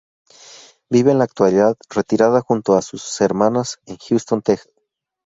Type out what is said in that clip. Vive en la actualidad retirada junto a sus hermanas en Houston, Texas.